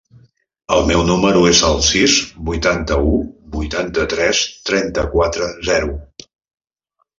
El meu número es el sis, vuitanta-u, vuitanta-tres, trenta-quatre, zero.